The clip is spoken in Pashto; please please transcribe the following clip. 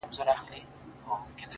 • خمیر دي جوړ دی له شواخونه ,